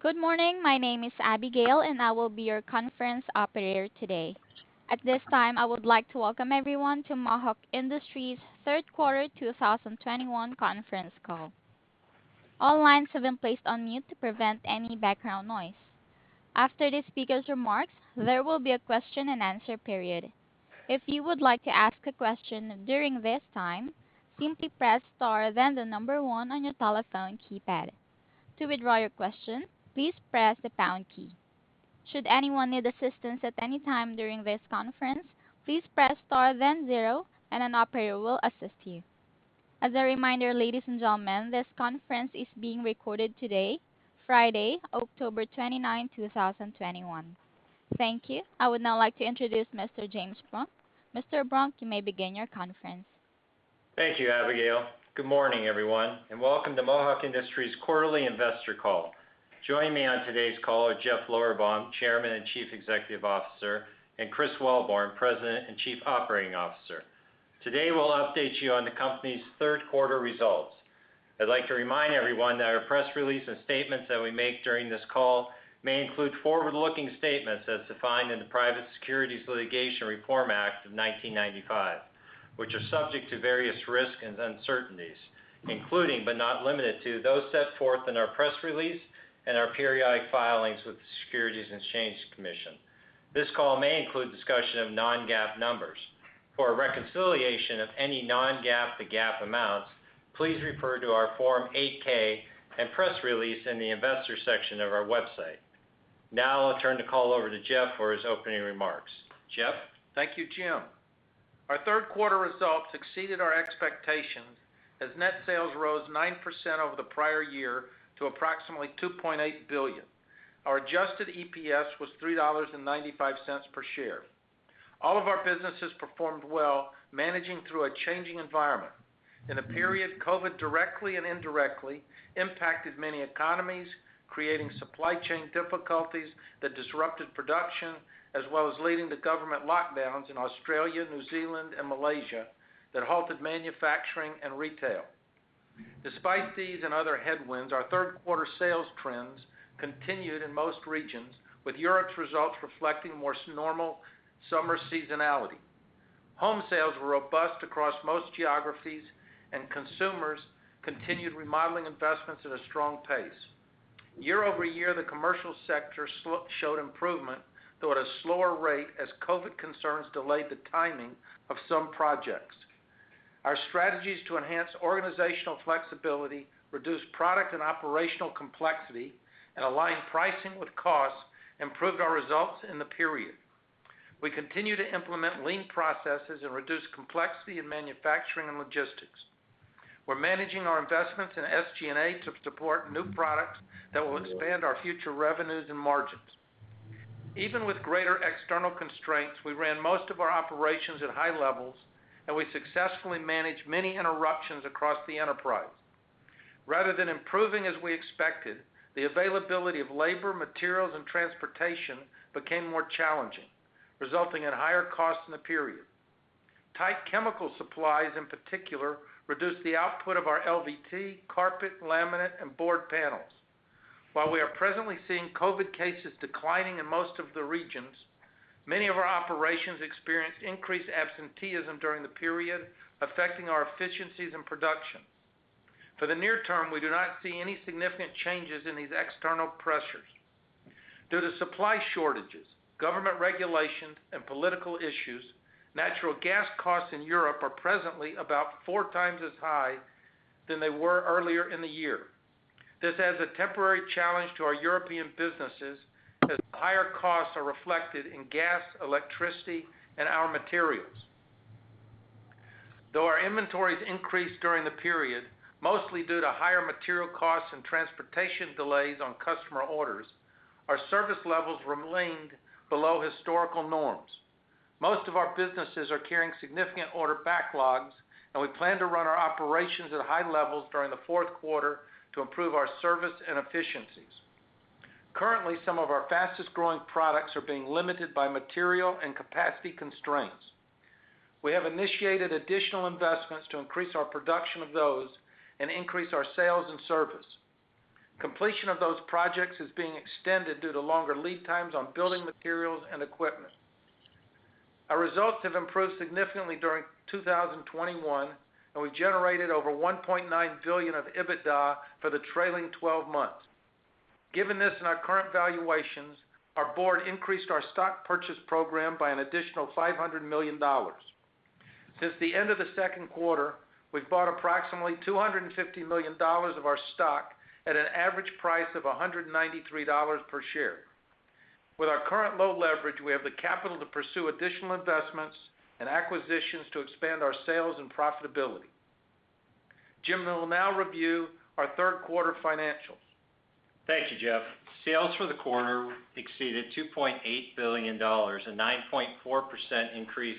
Good morning. My name is Abigail, and I will be your conference operator today. At this time, I would like to welcome everyone to Mohawk Industries third quarter 2021 conference call. All lines have been placed on mute to prevent any background noise. After the speaker's remarks, there will be a question-and-answer period. If you would like to ask a question during this time, simply press Star then the number one on your telephone keypad. To withdraw your question, please press the pound key. Should anyone need assistance at any time during this conference, please Press Star then zero, and an operator will assist you. As a reminder, ladies and gentlemen, this conference is being recorded today, Friday, 29th October 2021. Thank you. I would now like to introduce Mr. James Brunk. Mr. Brunk, you may begin your conference. Thank you, Abigail. Good morning, everyone, and welcome to Mohawk Industries quarterly investor call. Joining me on today's call are Jeff Lorberbaum, Chairman and Chief Executive Officer, and Chris Wellborn, President and Chief Operating Officer. Today, we'll update you on the company's third quarter results. I'd like to remind everyone that our press release and statements that we make during this call may include forward-looking statements as defined in the Private Securities Litigation Reform Act of 1995, which are subject to various risks and uncertainties, including but not limited to those set forth in our press release and our periodic filings with the Securities and Exchange Commission. This call may include discussion of non-GAAP numbers. For a reconciliation of any non-GAAP to GAAP amounts, please refer to our Form 8-K and press release in the Investor section of our website. Now I'll turn the call over to Jeff for his opening remarks. Jeff? Thank you, Jim. Our third quarter results exceeded our expectations as net sales rose 9% over the prior year to approximately $2.8 billion. Our adjusted EPS was $3.95 per share. All of our businesses performed well, managing through a changing environment. In the period, COVID directly and indirectly impacted many economies, creating supply chain difficulties that disrupted production, as well as leading to government lockdowns in Australia, New Zealand, and Malaysia that halted manufacturing and retail. Despite these and other headwinds, our third quarter sales trends continued in most regions, with Europe's results reflecting more normal summer seasonality. Home sales were robust across most geographies, and consumers continued remodeling investments at a strong pace. Year-over-year, the commercial sector showed improvement, though at a slower rate as COVID concerns delayed the timing of some projects. Our strategies to enhance organizational flexibility, reduce product and operational complexity, and align pricing with costs improved our results in the period. We continue to implement lean processes and reduce complexity in manufacturing and logistics. We're managing our investments in SG&A to support new products that will expand our future revenues and margins. Even with greater external constraints, we ran most of our operations at high levels, and we successfully managed many interruptions across the enterprise. Rather than improving as we expected, the availability of labor, materials, and transportation became more challenging, resulting in higher costs in the period. Tight chemical supplies, in particular, reduced the output of our LVT, carpet, laminate, and board panels. While we are presently seeing COVID cases declining in most of the regions, many of our operations experienced increased absenteeism during the period, affecting our efficiencies and production. For the near term, we do not see any significant changes in these external pressures. Due to supply shortages, government regulations, and political issues, natural gas costs in Europe are presently about four times as high as they were earlier in the year. This adds a temporary challenge to our European businesses as higher costs are reflected in gas, electricity, and our materials. Though our inventories increased during the period, mostly due to higher material costs and transportation delays on customer orders, our service levels remained below historical norms. Most of our businesses are carrying significant order backlogs, and we plan to run our operations at high levels during the fourth quarter to improve our service and efficiencies. Currently, some of our fastest-growing products are being limited by material and capacity constraints. We have initiated additional investments to increase our production of those and increase our sales and service. Completion of those projects is being extended due to longer lead times on building materials and equipment. Our results have improved significantly during 2021, and we generated over $1.9 billion of EBITDA for the trailing twelve months. Given this and our current valuations, our board increased our stock purchase program by an additional $500 million. Since the end of the second quarter, we've bought approximately $250 million of our stock at an average price of $193 per share. With our current low leverage, we have the capital to pursue additional investments and acquisitions to expand our sales and profitability. Jim will now review our third quarter financials. Thank you, Jeff. Sales for the quarter exceeded $2.8 billion, a 9.4% increase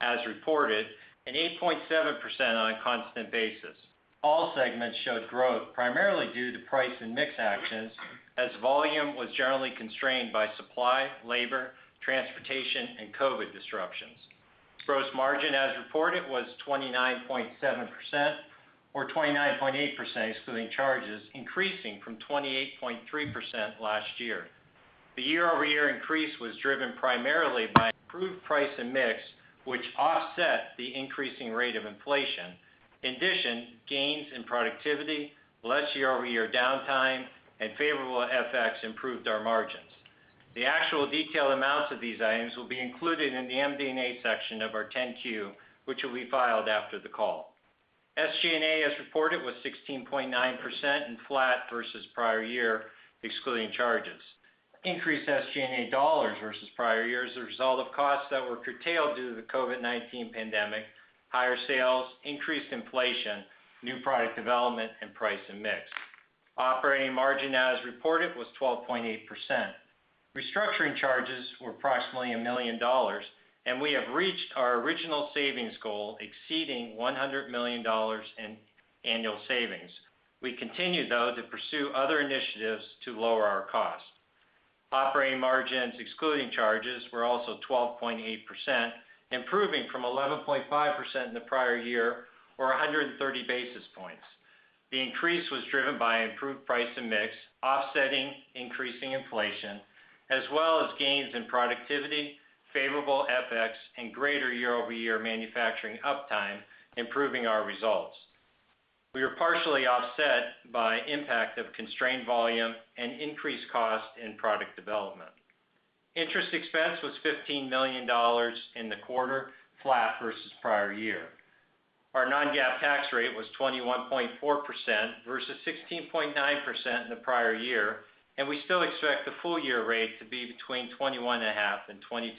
as reported, and 8.7% on a constant basis. All segments showed growth, primarily due to price and mix actions as volume was generally constrained by supply, labor, transportation, and COVID disruptions. Gross margin as reported was 29.7% or 29.8% excluding charges, increasing from 28.3% last year. The year-over-year increase was driven primarily by improved price and mix, which offset the increasing rate of inflation. In addition, gains in productivity, less year-over-year downtime, and favorable FX improved our margins. The actual detailed amounts of these items will be included in the MD&A section of our 10-Q, which will be filed after the call. SG&A, as reported, was 16.9% and flat versus prior year, excluding charges. Increased SG&A dollars versus prior year is a result of costs that were curtailed due to the COVID-19 pandemic, higher sales, increased inflation, new product development, and price and mix. Operating margin, as reported, was 12.8%. Restructuring charges were approximately $1 million, and we have reached our original savings goal, exceeding $100 million in annual savings. We continue, though, to pursue other initiatives to lower our cost. Operating margins, excluding charges, were also 12.8%, improving from 11.5% in the prior year or 130 basis points. The increase was driven by improved price and mix, offsetting increasing inflation, as well as gains in productivity, favorable FX, and greater year-over-year manufacturing uptime, improving our results. We were partially offset by impact of constrained volume and increased cost in product development. Interest expense was $15 million in the quarter, flat versus prior year. Our non-GAAP tax rate was 21.4% versus 16.9% in the prior year, and we still expect the full year rate to be between 21.5% and 22.5%.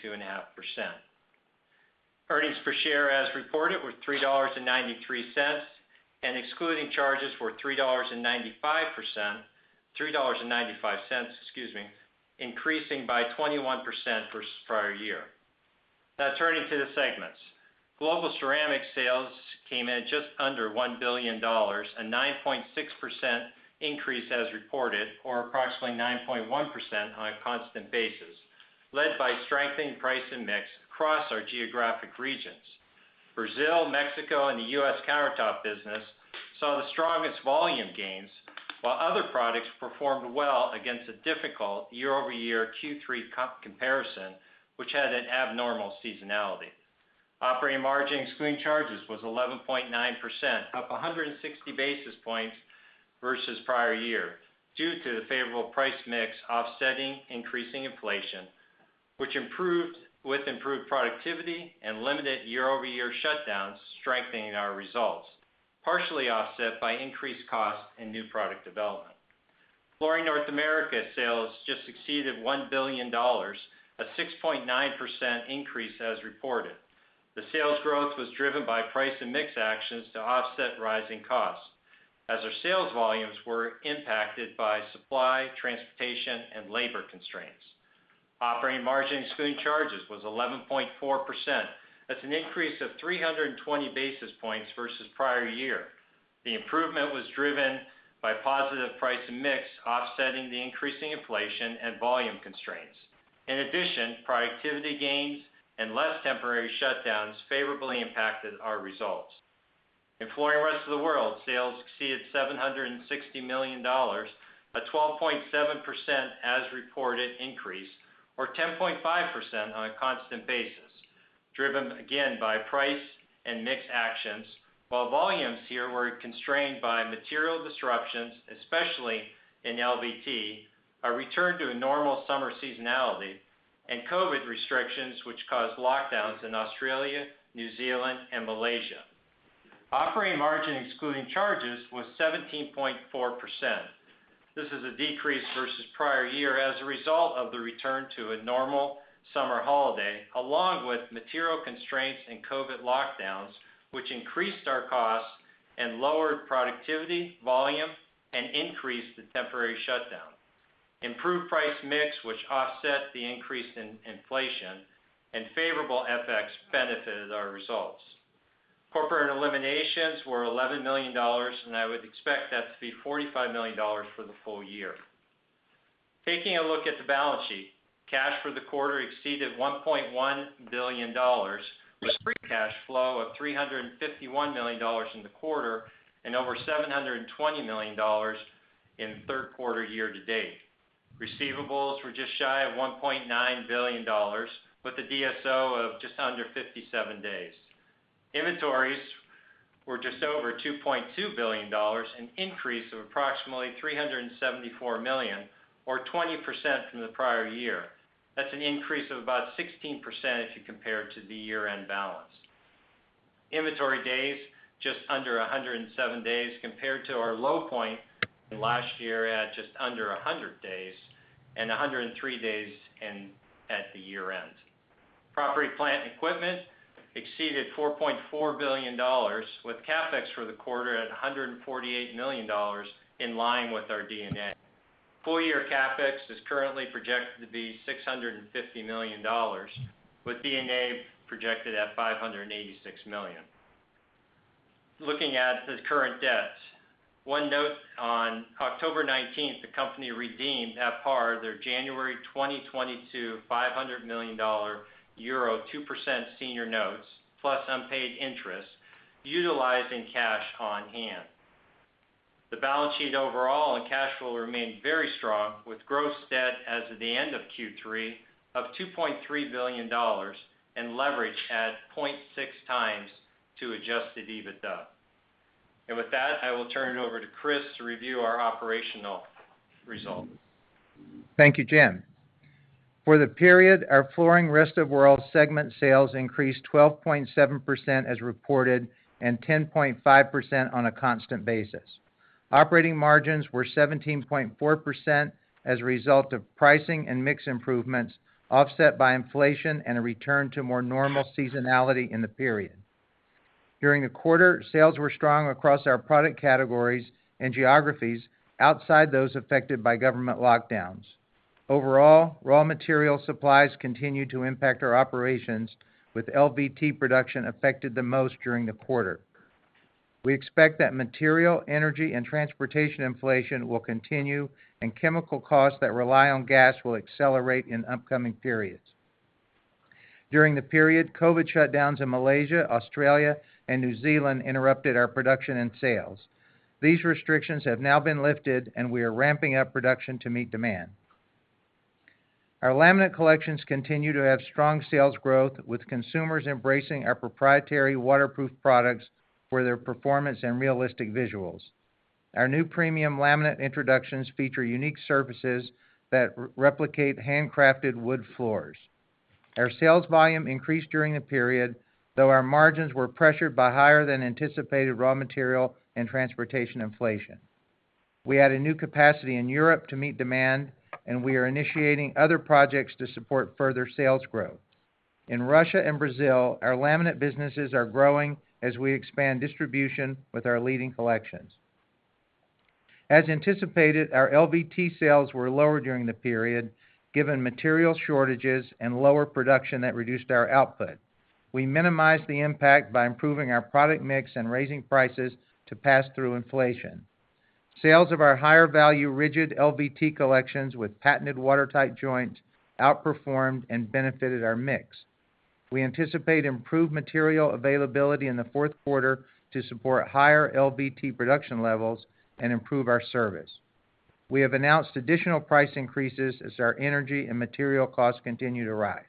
Earnings per share as reported were $3.93, and excluding charges were $3.95, excuse me, increasing by 21% versus prior year. Now turning to the segments. Global Ceramic sales came in just under $1 billion, a 9.6% increase as reported, or approximately 9.1% on a constant basis, led by strengthening price and mix across our geographic regions. Brazil, Mexico, and the US countertop business saw the strongest volume gains, while other products performed well against a difficult year-over-year Q3 comparison, which had an abnormal seasonality. Operating margin excluding charges was 11.9%, up 160 basis points versus prior year due to the favorable price mix offsetting increasing inflation, which improved with improved productivity and limited year-over-year shutdowns, strengthening our results, partially offset by increased cost and new product development. Flooring North America sales just exceeded $1 billion, a 6.9% increase as reported. The sales growth was driven by price and mix actions to offset rising costs, as our sales volumes were impacted by supply, transportation, and labor constraints. Operating margin excluding charges was 11.4%. That's an increase of 320 basis points versus prior year. The improvement was driven by positive price mix offsetting the increasing inflation and volume constraints. In addition, productivity gains and less temporary shutdowns favorably impacted our results. In Flooring Rest of the World, sales exceeded $760 million, a 12.7% as reported increase or 10.5% on a constant basis, driven again by price and mix actions while volumes here were constrained by material disruptions, especially in LVT, a return to a normal summer seasonality, and COVID restrictions which caused lockdowns in Australia, New Zealand, and Malaysia. Operating margin excluding charges was 17.4%. This is a decrease versus prior year as a result of the return to a normal summer holiday along with material constraints and COVID lockdowns, which increased our costs and lowered productivity, volume, and increased the temporary shutdown. Improved price mix, which offset the increase in inflation, and favorable FX benefited our results. Corporate and eliminations were $11 million, and I would expect that to be $45 million for the full year. Taking a look at the balance sheet, cash for the quarter exceeded $1.1 billion, with free cash flow of $351 million in the quarter and over $720 million in third quarter year to date. Receivables were just shy of $1.9 billion, with a DSO of just under 57 days. Inventories were just over $2.2 billion, an increase of approximately $374 million or 20% from the prior year. That's an increase of about 16% if you compare it to the year-end balance. Inventory days just under 107 days compared to our low point last year at just under 100 days and 103 days at the year-end. Property, plant, and equipment exceeded $4.4 billion, with CapEx for the quarter at $148 million in line with our D&A. Full year CapEx is currently projected to be $650 million, with D&A projected at $586 million. Looking at the current debt. One note on October 19, the company redeemed at par their January 2022 500 million euro 2% senior notes plus unpaid interest, utilizing cash on hand. The balance sheet overall and cash flow remained very strong, with gross debt as of the end of Q3 of $2.3 billion and leverage at 0.6x adjusted EBITDA. With that, I will turn it over to Chris to review our operational results. Thank you, Jim. For the period, our Flooring Rest of the World segment sales increased 12.7% as reported and 10.5% on a constant basis. Operating margins were 17.4% as a result of pricing and mix improvements, offset by inflation and a return to more normal seasonality in the period. During the quarter, sales were strong across our product categories and geographies outside those affected by government lockdowns. Overall, raw material supplies continued to impact our operations, with LVT production affected the most during the quarter. We expect that material, energy, and transportation inflation will continue, and chemical costs that rely on gas will accelerate in upcoming periods. During the period, COVID shutdowns in Malaysia, Australia, and New Zealand interrupted our production and sales. These restrictions have now been lifted, and we are ramping up production to meet demand. Our laminate collections continue to have strong sales growth, with consumers embracing our proprietary waterproof products for their performance and realistic visuals. Our new premium laminate introductions feature unique surfaces that replicate handcrafted wood floors. Our sales volume increased during the period, though our margins were pressured by higher than anticipated raw material and transportation inflation. We added new capacity in Europe to meet demand, and we are initiating other projects to support further sales growth. In Russia and Brazil, our laminate businesses are growing as we expand distribution with our leading collections. As anticipated, our LVT sales were lower during the period, given material shortages and lower production that reduced our output. We minimized the impact by improving our product mix and raising prices to pass through inflation. Sales of our higher value rigid LVT collections with patented watertight joints outperformed and benefited our mix. We anticipate improved material availability in the fourth quarter to support higher LVT production levels and improve our service. We have announced additional price increases as our energy and material costs continue to rise.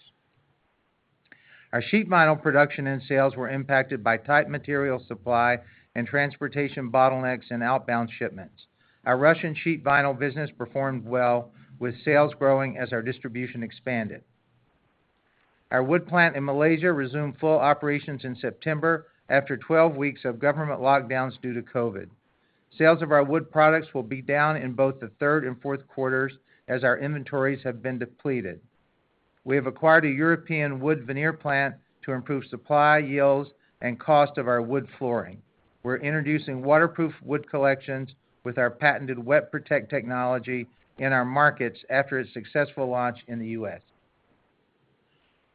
Our sheet vinyl production and sales were impacted by tight material supply and transportation bottlenecks in outbound shipments. Our Russian sheet vinyl business performed well, with sales growing as our distribution expanded. Our wood plant in Malaysia resumed full operations in September after 12 weeks of government lockdowns due to COVID. Sales of our wood products will be down in both the third and fourth quarters as our inventories have been depleted. We have acquired a European wood veneer plant to improve supply, yields, and cost of our wood flooring. We're introducing waterproof wood collections with our patented WetProtect technology in our markets after its successful launch in the U.S.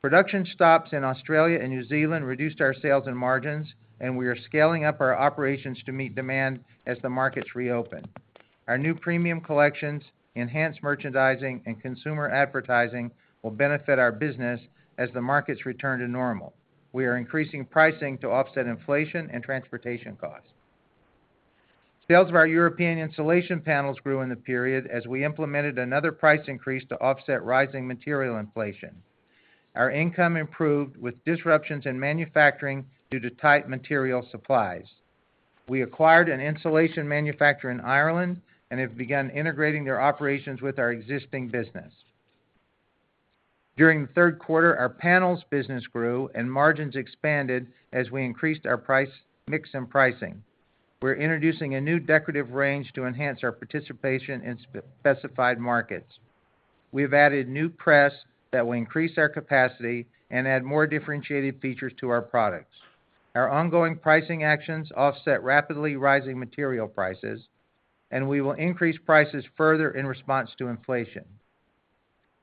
Production stops in Australia and New Zealand reduced our sales and margins, and we are scaling up our operations to meet demand as the markets reopen. Our new premium collections, enhanced merchandising, and consumer advertising will benefit our business as the markets return to normal. We are increasing pricing to offset inflation and transportation costs. Sales of our European insulation panels grew in the period as we implemented another price increase to offset rising material inflation. Our income improved with disruptions in manufacturing due to tight material supplies. We acquired an insulation manufacturer in Ireland and have begun integrating their operations with our existing business. During the third quarter, our panels business grew and margins expanded as we increased our price, mix and pricing. We're introducing a new decorative range to enhance our participation in spec-specified markets. We have added new press that will increase our capacity and add more differentiated features to our products. Our ongoing pricing actions offset rapidly rising material prices, and we will increase prices further in response to inflation.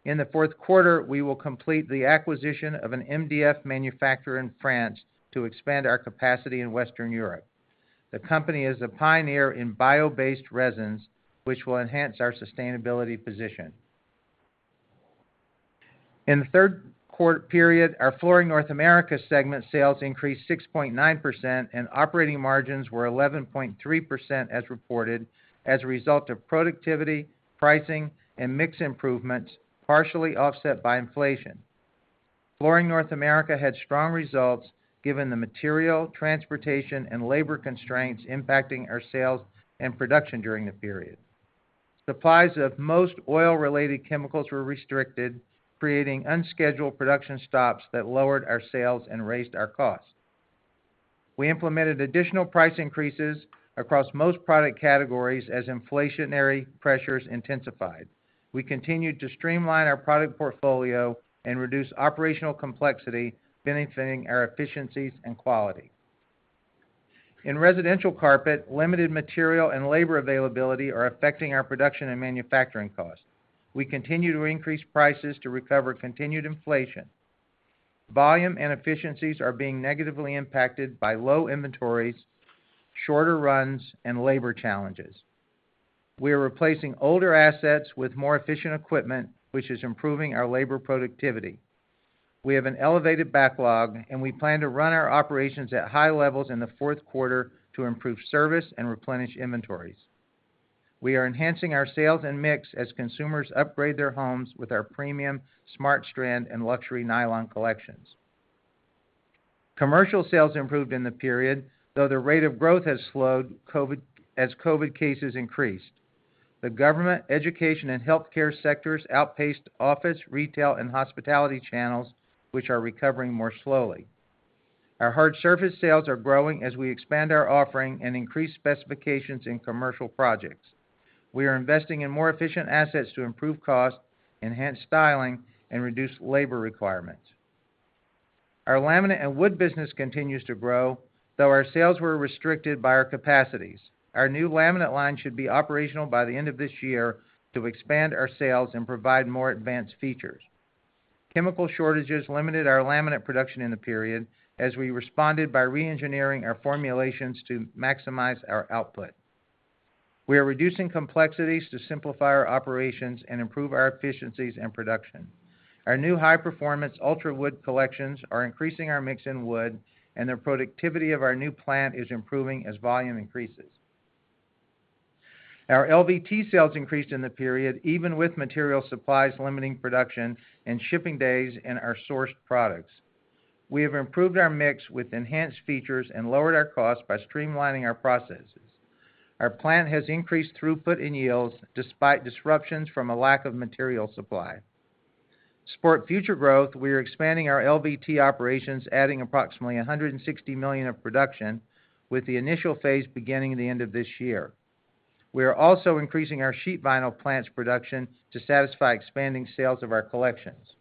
In the fourth quarter, we will complete the acquisition of an MDF manufacturer in France to expand our capacity in Western Europe. The company is a pioneer in bio-based resins, which will enhance our sustainability position. In the third quarter period, our Flooring North America segment sales increased 6.9%, and operating margins were 11.3% as reported as a result of productivity, pricing, and mix improvements, partially offset by inflation. Flooring North America had strong results given the material, transportation, and labor constraints impacting our sales and production during the period. Supplies of most oil-related chemicals were restricted, creating unscheduled production stops that lowered our sales and raised our costs. We implemented additional price increases across most product categories as inflationary pressures intensified. We continued to streamline our product portfolio and reduce operational complexity, benefiting our efficiencies and quality. In residential carpet, limited material and labor availability are affecting our production and manufacturing costs. We continue to increase prices to recover continued inflation. Volume and efficiencies are being negatively impacted by low inventories, shorter runs, and labor challenges. We are replacing older assets with more efficient equipment, which is improving our labor productivity. We have an elevated backlog, and we plan to run our operations at high levels in the fourth quarter to improve service and replenish inventories. We are enhancing our sales and mix as consumers upgrade their homes with our premium SmartStrand and luxury nylon collections. Commercial sales improved in the period, though the rate of growth has slowed as COVID cases increased. The government, education, and healthcare sectors outpaced office, retail, and hospitality channels, which are recovering more slowly. Our hard surface sales are growing as we expand our offering and increase specifications in commercial projects. We are investing in more efficient assets to improve cost, enhance styling, and reduce labor requirements. Our laminate and wood business continues to grow, though our sales were restricted by our capacities. Our new laminate line should be operational by the end of this year to expand our sales and provide more advanced features. Chemical shortages limited our laminate production in the period as we responded by re-engineering our formulations to maximize our output. We are reducing complexities to simplify our operations and improve our efficiencies and production. Our new high-performance UltraWood collections are increasing our mix in wood, and the productivity of our new plant is improving as volume increases. Our LVT sales increased in the period, even with material supplies limiting production and shipping days in our sourced products. We have improved our mix with enhanced features and lowered our costs by streamlining our processes. Our plant has increased throughput and yields despite disruptions from a lack of material supply. To support future growth, we are expanding our LVT operations, adding approximately $160 million of production, with the initial phase beginning at the end of this year. We are also increasing our sheet vinyl plant's production to satisfy expanding sales of our collections.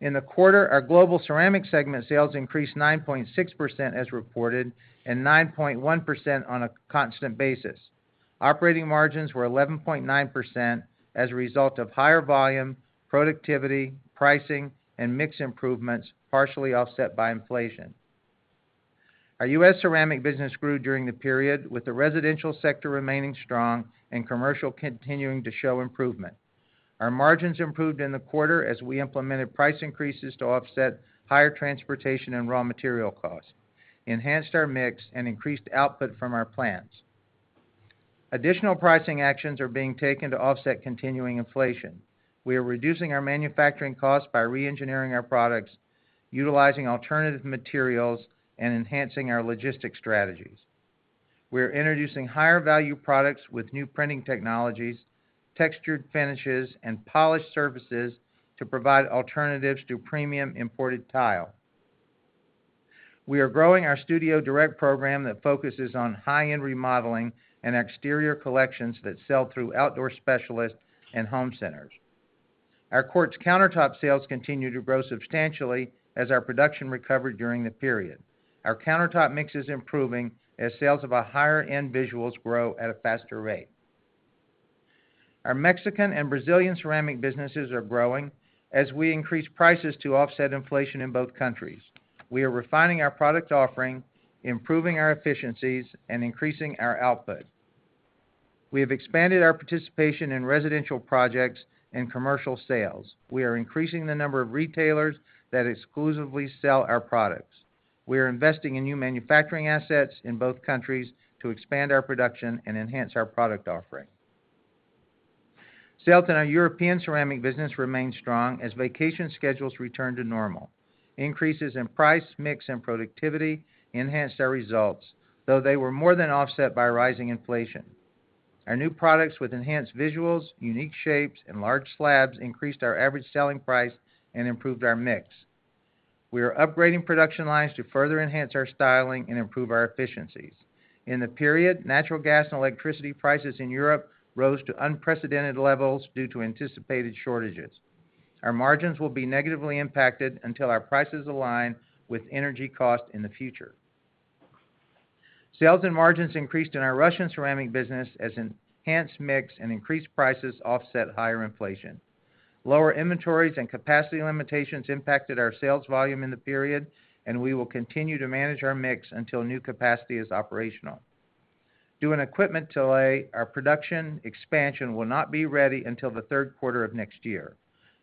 In the quarter, our Global Ceramic segment sales increased 9.6% as reported and 9.1% on a constant basis. Operating margins were 11.9% as a result of higher volume, productivity, pricing, and mix improvements, partially offset by inflation. Our U.S. ceramic business grew during the period, with the residential sector remaining strong and commercial continuing to show improvement. Our margins improved in the quarter as we implemented price increases to offset higher transportation and raw material costs, enhanced our mix, and increased output from our plants. Additional pricing actions are being taken to offset continuing inflation. We are reducing our manufacturing costs by re-engineering our products, utilizing alternative materials, and enhancing our logistics strategies. We are introducing higher-value products with new printing technologies, textured finishes, and polished surfaces to provide alternatives to premium imported tile. We are growing our studio direct program that focuses on high-end remodeling and exterior collections that sell through outdoor specialists and home centers. Our quartz countertop sales continue to grow substantially as our production recovered during the period. Our countertop mix is improving as sales of our higher-end visuals grow at a faster rate. Our Mexican and Brazilian ceramic businesses are growing as we increase prices to offset inflation in both countries. We are refining our product offering, improving our efficiencies, and increasing our output. We have expanded our participation in residential projects and commercial sales. We are increasing the number of retailers that exclusively sell our products. We are investing in new manufacturing assets in both countries to expand our production and enhance our product offering. Sales in our European ceramic business remained strong as vacation schedules returned to normal. Increases in price, mix, and productivity enhanced our results, though they were more than offset by rising inflation. Our new products with enhanced visuals, unique shapes, and large slabs increased our average selling price and improved our mix. We are upgrading production lines to further enhance our styling and improve our efficiencies. In the period, natural gas and electricity prices in Europe rose to unprecedented levels due to anticipated shortages. Our margins will be negatively impacted until our prices align with energy costs in the future. Sales and margins increased in our Russian ceramic business as enhanced mix and increased prices offset higher inflation. Lower inventories and capacity limitations impacted our sales volume in the period, and we will continue to manage our mix until new capacity is operational. Due to an equipment delay, our production expansion will not be ready until the third quarter of next year.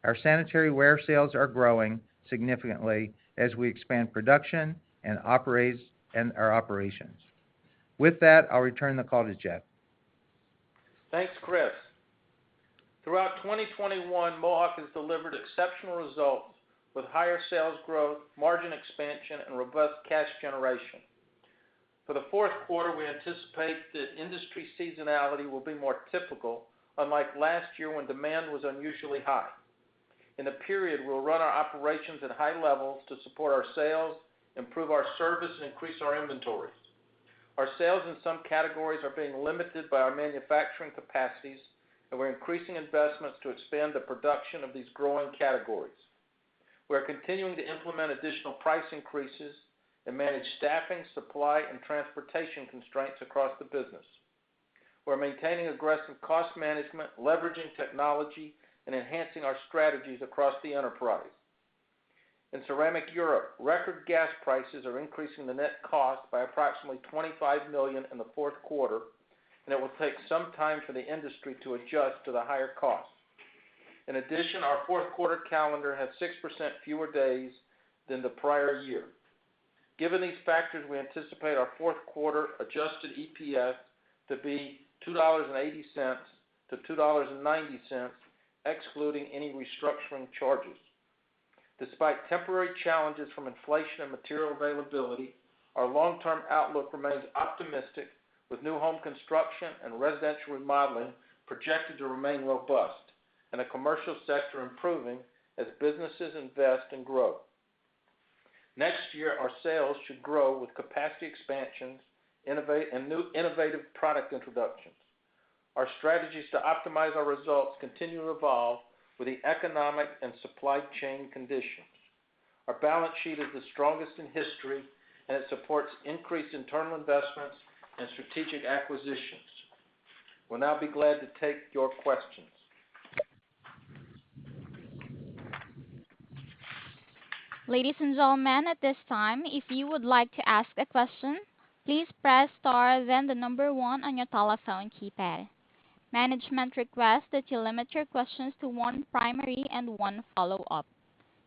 Our sanitary ware sales are growing significantly as we expand production and our operations. With that, I'll return the call to Jeff. Thanks, Chris. Throughout 2021, Mohawk has delivered exceptional results with higher sales growth, margin expansion, and robust cash generation. For the fourth quarter, we anticipate that industry seasonality will be more typical, unlike last year when demand was unusually high. In the period, we'll run our operations at high levels to support our sales, improve our service, and increase our inventories. Our sales in some categories are being limited by our manufacturing capacities, and we're increasing investments to expand the production of these growing categories. We are continuing to implement additional price increases and manage staffing, supply, and transportation constraints across the business. We're maintaining aggressive cost management, leveraging technology, and enhancing our strategies across the enterprise. In Ceramic Europe, record gas prices are increasing the net cost by approximately $25 million in the fourth quarter, and it will take some time for the industry to adjust to the higher costs. In addition, our fourth quarter calendar has 6% fewer days than the prior year. Given these factors, we anticipate our fourth quarter adjusted EPS to be $2.80-$2.90, excluding any restructuring charges. Despite temporary challenges from inflation and material availability, our long-term outlook remains optimistic, with new home construction and residential remodeling projected to remain robust, and the commercial sector improving as businesses invest and grow. Next year, our sales should grow with capacity expansions, innovations and new innovative product introductions. Our strategies to optimize our results continue to evolve with the economic and supply chain conditions. Our balance sheet is the strongest in history, and it supports increased internal investments and strategic acquisitions. We'll now be glad to take your questions. Ladies and gentlemen, at this time, if you would like to ask a question, please Press Star then the number one on your telephone keypad. Management requests that you limit your questions to one primary and one follow-up.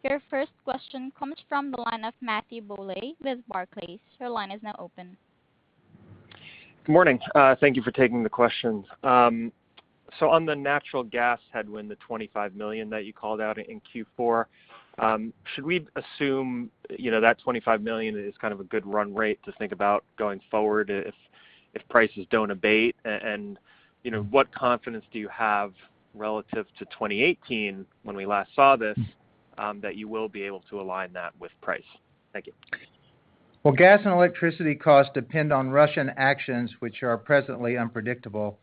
Your first question comes from the line of Matthew Bouley with Barclays. Your line is now open. Good morning. Thank you for taking the questions. On the natural gas headwind, the $25 million that you called out in Q4, should we assume, you know, that $25 million is kind of a good run rate to think about going forward if prices don't abate? You know, what confidence do you have relative to 2018 when we last saw this, that you will be able to align that with price? Thank you. Well, gas and electricity costs depend on Russian actions which are presently unpredictable.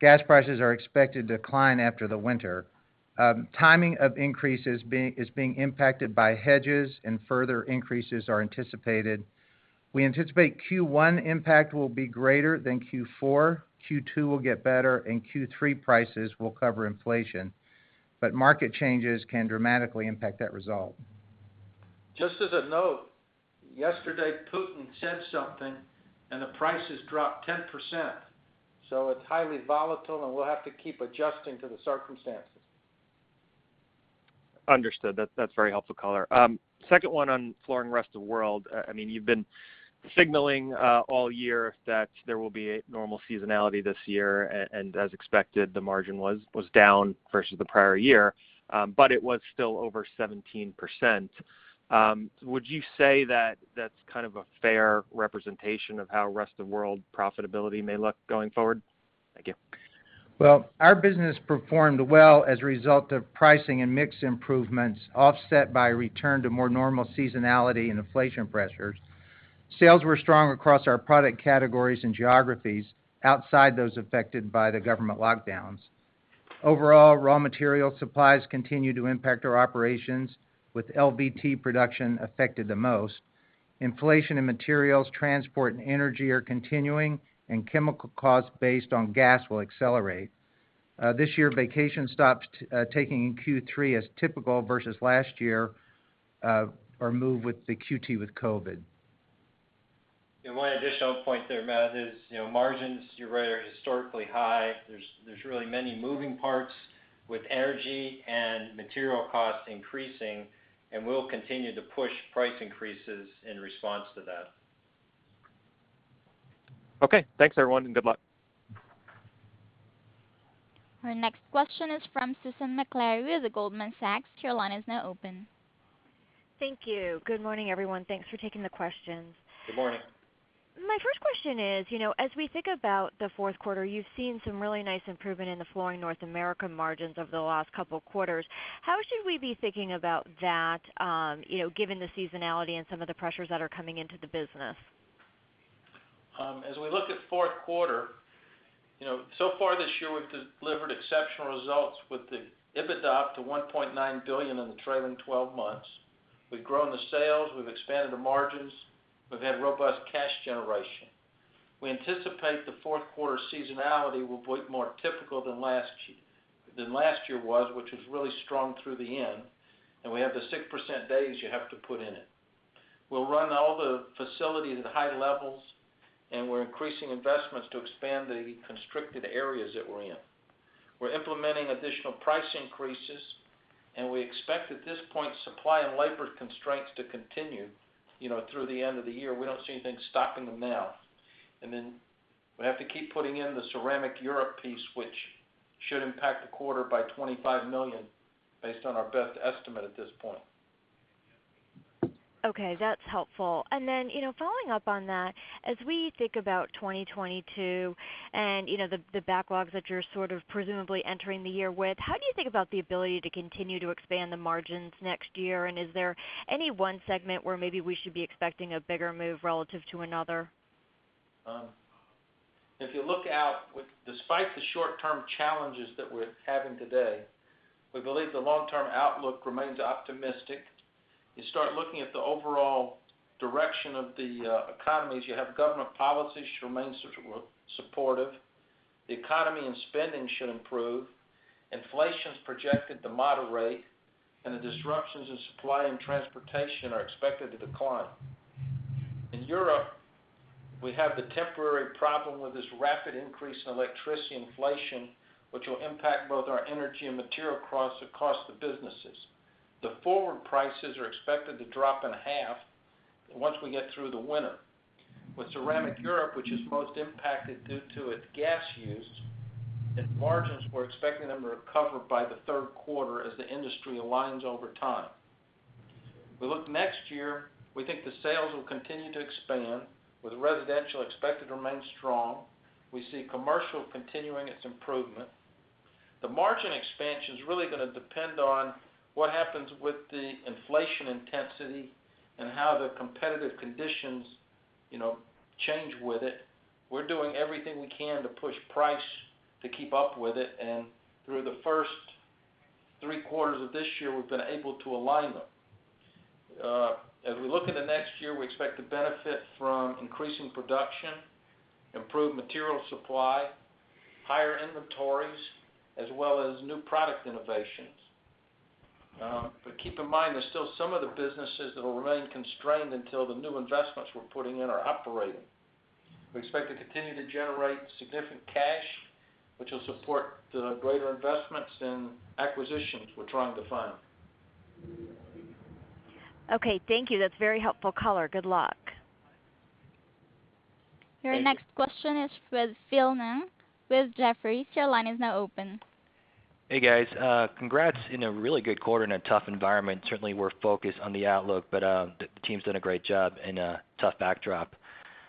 Gas prices are expected to decline after the winter. Timing of increases is being impacted by hedges and further increases are anticipated. We anticipate Q1 impact will be greater than Q4, Q2 will get better, and Q3 prices will cover inflation. Market changes can dramatically impact that result. Just as a note, yesterday, Putin said something, and the prices dropped 10%, so it's highly volatile, and we'll have to keep adjusting to the circumstances. Understood. That's very helpful color. Second one on Flooring Rest of the World. I mean, you've been signaling all year that there will be a normal seasonality this year. As expected, the margin was down versus the prior year, but it was still over 17%. Would you say that that's kind of a fair representation of how Rest of World profitability may look going forward? Thank you. Well, our business performed well as a result of pricing and mix improvements, offset by return to more normal seasonality and inflation pressures. Sales were strong across our product categories and geographies outside those affected by the government lockdowns. Overall, raw material supplies continue to impact our operations, with LVT production affected the most. Inflation in materials, transport, and energy are continuing, and chemical costs based on gas will accelerate. This year, vacation stops taking in Q3 as typical versus last year, or moved with the Q2 with COVID. One additional point there, Matt, is, you know, margins, you're right, are historically high. There's really many moving parts with energy and material costs increasing, and we'll continue to push price increases in response to that. Okay. Thanks, everyone, and good luck. Our next question is from Susan Maklari with Goldman Sachs. Your line is now open. Thank you. Good morning, everyone. Thanks for taking the questions. Good morning. My first question is, you know, as we think about the fourth quarter, you've seen some really nice improvement in the Flooring North America margins over the last couple of quarters. How should we be thinking about that, you know, given the seasonality and some of the pressures that are coming into the business? As we look at fourth quarter, you know, so far this year, we've delivered exceptional results with the EBITDA to $1.9 billion in the trailing twelve months. We've grown the sales, we've expanded the margins, we've had robust cash generation. We anticipate the fourth quarter seasonality will be more typical than last year was, which was really strong through the end, and we have the 6% days you have to put in it. We'll run all the facilities at high levels, and we're increasing investments to expand the constricted areas that we're in. We're implementing additional price increases, and we expect at this point supply and labor constraints to continue, you know, through the end of the year. We don't see anything stopping them now. We have to keep putting in the ceramic Europe piece, which should impact the quarter by $25 million based on our best estimate at this point. Okay, that's helpful. You know, following up on that, as we think about 2022 and, you know, the backlogs that you're sort of presumably entering the year with, how do you think about the ability to continue to expand the margins next year? Is there any one segment where maybe we should be expecting a bigger move relative to another? If you look out despite the short-term challenges that we're having today, we believe the long-term outlook remains optimistic. You start looking at the overall direction of the economies. You have government policies should remain supportive. The economy and spending should improve. Inflation's projected to moderate, and the disruptions in supply and transportation are expected to decline. In Europe, we have the temporary problem with this rapid increase in electricity inflation, which will impact both our energy and material costs across the businesses. The forward prices are expected to drop in half once we get through the winter. With Ceramic Europe, which is most impacted due to its gas use, its margins, we're expecting them to recover by the third quarter as the industry aligns over time. We look next year, we think the sales will continue to expand. With residential expected to remain strong, we see commercial continuing its improvement. The margin expansion is really gonna depend on what happens with the inflation intensity and how the competitive conditions, you know, change with it. We're doing everything we can to push price to keep up with it, and through the first three quarters of this year, we've been able to align them. As we look at the next year, we expect to benefit from increasing production, improved material supply, higher inventories, as well as new product innovations. But keep in mind there's still some of the businesses that will remain constrained until the new investments we're putting in are operating. We expect to continue to generate significant cash, which will support the greater investments and acquisitions we're trying to find. Okay, thank you. That's very helpful color. Good luck. Thank you. Your next question is with Phil Ng with Jefferies. Your line is now open. Hey, guys. Congrats on a really good quarter in a tough environment. Certainly we're focused on the outlook, but the team's done a great job in a tough backdrop.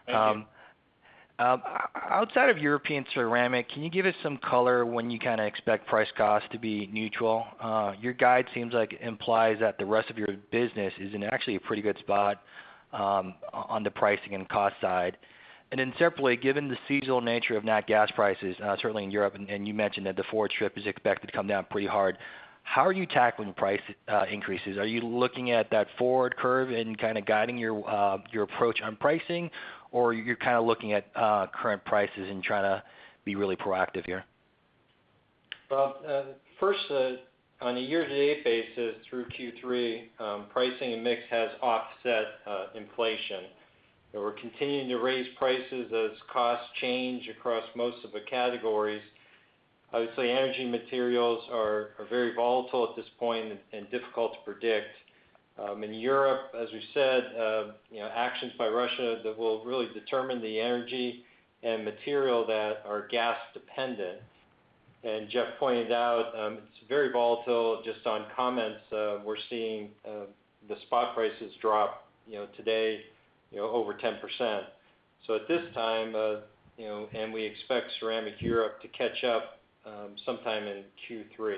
Thank you. Outside of European ceramic, can you give us some color when you kinda expect price cost to be neutral? Your guide seems like implies that the rest of your business is in actually a pretty good spot, on the pricing and cost side. Separately, given the seasonal nature of nat gas prices, certainly in Europe, and you mentioned that the forward strip is expected to come down pretty hard, how are you tackling price increases? Are you looking at that forward curve and kinda guiding your approach on pricing? Or you're kinda looking at current prices and trying to be really proactive here? Well, first, on a year-to-date basis through Q3, pricing and mix has offset inflation. We're continuing to raise prices as costs change across most of the categories. Obviously, energy materials are very volatile at this point and difficult to predict. In Europe, as we said, you know, actions by Russia that will really determine the energy and material that are gas-dependent. Jeff pointed out, it's very volatile. Just on comments, we're seeing the spot prices drop, you know, today, you know, over 10%. At this time, you know, and we expect Ceramic Europe to catch up sometime in Q3.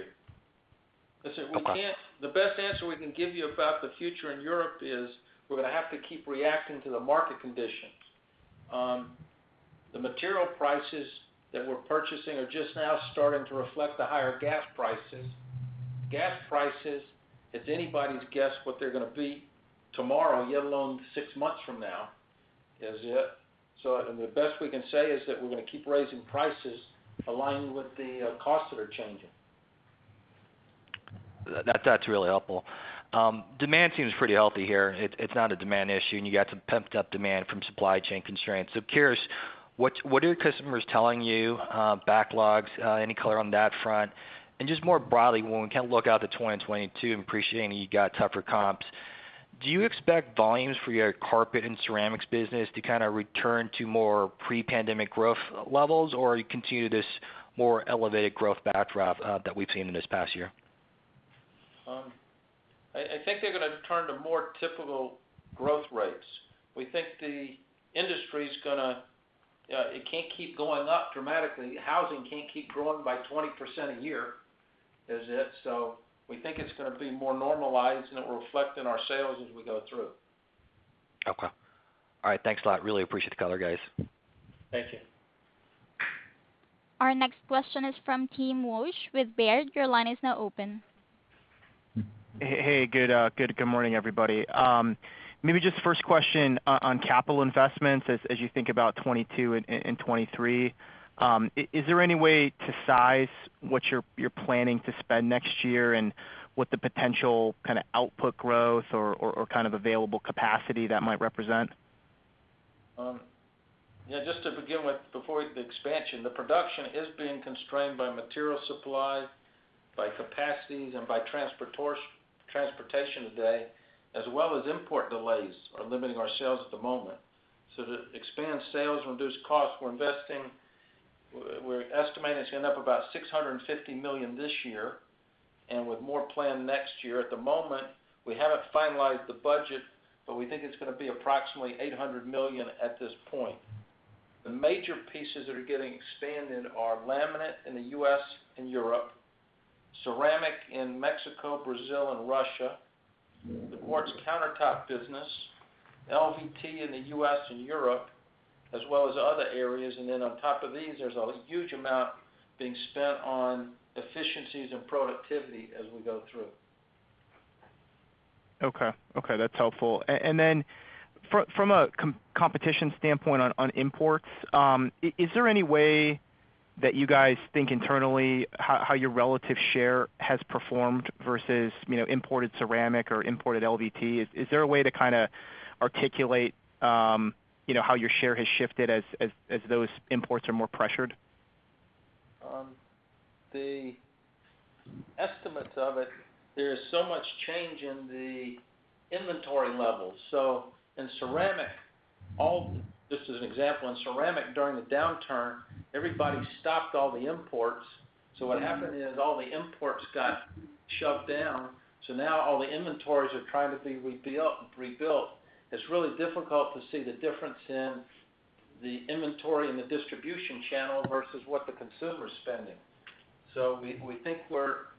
Okay. The best answer we can give you about the future in Europe is we're gonna have to keep reacting to the market conditions. The material prices that we're purchasing are just now starting to reflect the higher gas prices. Gas prices, it's anybody's guess what they're gonna be tomorrow, let alone six months from now, is it? The best we can say is that we're gonna keep raising prices aligned with the costs that are changing. That's really helpful. Demand seems pretty healthy here. It's not a demand issue, and you got some pent-up demand from supply chain constraints. So curious, what are your customers telling you? Backlogs, any color on that front? Just more broadly, when we kinda look out to 2022, appreciating you got tougher comps, do you expect volumes for your carpet and ceramics business to kinda return to more pre-pandemic growth levels or continue this more elevated growth backdrop, that we've seen in this past year? I think they're gonna turn to more typical growth rates. We think the industry's gonna it can't keep going up dramatically. Housing can't keep growing by 20% a year, is it? We think it's gonna be more normalized, and it will reflect in our sales as we go through. Okay. All right. Thanks a lot. Really appreciate the color, guys. Thank you. Our next question is from Tim Wojs with Baird. Your line is now open. Hey, good morning, everybody. Maybe just first question on capital investments as you think about 2022 and 2023. Is there any way to size what you're planning to spend next year and what the potential kinda output growth or kind of available capacity that might represent? Yeah, just to begin with, before the expansion, the production is being constrained by material supply, by capacities, and by transportation today, as well as import delays are limiting our sales at the moment. To expand sales and reduce costs, we're investing, we're estimating it's gonna end up about $650 million this year, and with more planned next year. At the moment, we haven't finalized the budget, but we think it's gonna be approximately $800 million at this point. The major pieces that are getting expanded are laminate in the U.S. and Europe, ceramic in Mexico, Brazil, and Russia, the quartz countertop business, LVT in the U.S. and Europe, as well as other areas. On top of these, there's a huge amount being spent on efficiencies and productivity as we go through. Okay. Okay, that's helpful. And then from a competition standpoint on imports, is there any way that you guys think internally how your relative share has performed versus, you know, imported ceramic or imported LVT? Is there a way to kinda articulate, you know, how your share has shifted as those imports are more pressured? The estimates of it, there is so much change in the inventory levels. In ceramic, just as an example, during the downturn, everybody stopped all the imports. What happened is all the imports got shoved down, so now all the inventories are trying to be rebuilt. It's really difficult to see the difference in the inventory and the distribution channel versus what the consumer is spending. We think we're